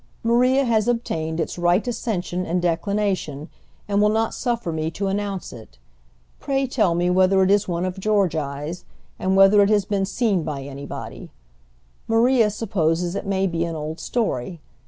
Maria has obtained its right ascension and declination, and will not suffer me to announce it. Pray tell me whether it is one of Georgi's, and whether it has been seen by anybody. Maria supposes it may be an old story.